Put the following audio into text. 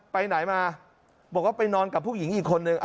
ไปไหนมาบอกว่าไปนอนกับผู้หญิงอีกคนนึง